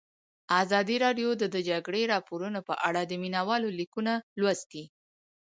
ازادي راډیو د د جګړې راپورونه په اړه د مینه والو لیکونه لوستي.